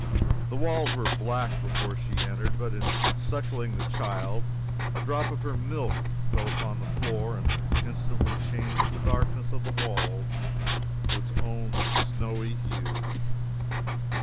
Its walls were black before she entered, but in suckling the Child, a drop of her milk fell upon the floor and instantly changed the darkness of the walls to its own snowy hue.